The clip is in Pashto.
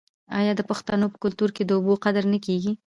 آیا د پښتنو په کلتور کې د اوبو قدر نه کیږي؟